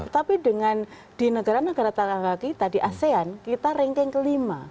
tapi dengan di negara negara tangga kaki tadi asean kita rangkaing kelima